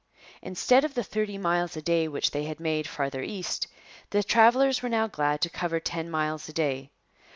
Instead of the thirty miles a day which they had made farther east, the travellers were now glad to cover ten miles a day.